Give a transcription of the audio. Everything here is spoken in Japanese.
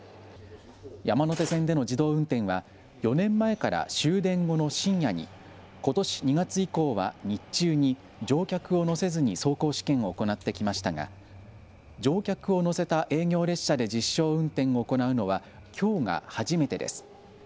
山手線での自動運転は４年前から終電後の深夜に、ことし２月以降は日中に乗客を乗せずに走行試験を行ってきましたが乗客を乗せた営業列車で実証運転を行うのはきょうが初めてです。